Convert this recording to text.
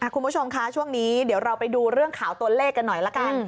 คุณผู้ชมคะช่วงนี้เดี๋ยวเราไปดูเรื่องข่าวตัวเลขกันหน่อยละกัน